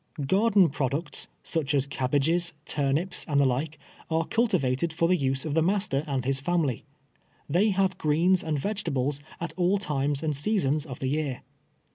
Garden products, such as cabbages, turnfixs and the like, are cultivated for the use of the master and his family. They have greens and vegetables at all times and seasons of the year.